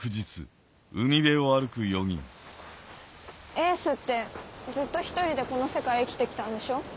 エースってずっと１人でこの世界生きてきたんでしょ？